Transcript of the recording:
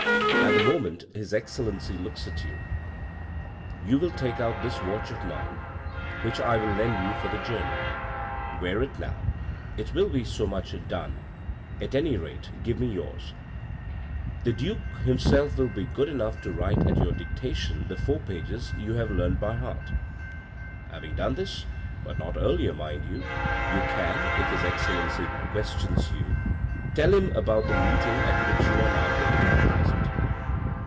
At the moment his Excellency looks at you, you will take out this watch of mine, which I will lend you for the journey. Wear it now, it will be so much done ; at any rate give me yours. " The duke himself will be good enough to write at your dictation the four pages you have learnt by heart. " Having done this, but not earlier, mind you, you can, if his Excellency questions you, tell him about the meeting at which you are now going to be present.